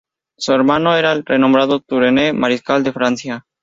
Su hermano era el renombrado Turenne, Mariscal de Francia.